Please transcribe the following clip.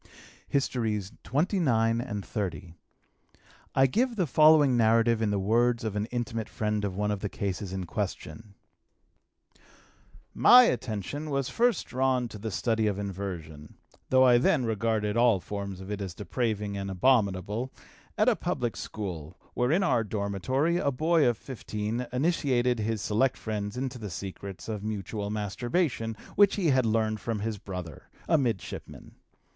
HISTORIES XXIX AND XXX. I give the following narrative in the words of an intimate friend of one of the cases in question: "My attention was first drawn to the study of inversion though I then regarded all forms of it as depraving and abominable at a public school, where in our dormitory a boy of 15 initiated his select friends into the secrets of mutual masturbation, which he had learned from his brother, a midshipman.